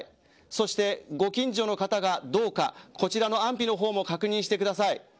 そして、ご近所の方がどうかこちらの安否の方も確認してください。